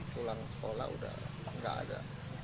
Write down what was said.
pulang sekolah udah nggak ada